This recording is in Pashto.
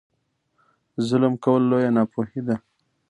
ظلم کول لویه ناپوهي ده.